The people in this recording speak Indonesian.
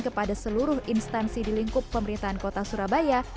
kepada seluruh instansi di lingkup pemerintahan kota surabaya